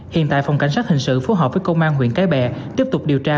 hiện tại phòng cảnh sát hình sự phối hợp với công an huyện cái bè tiếp tục điều tra